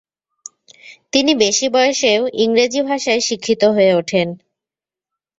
তিনি বেশি বয়সেও ইংরেজি ভাষায় শিক্ষিত হয়ে ওঠেন।